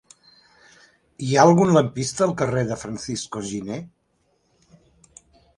Hi ha algun lampista al carrer de Francisco Giner?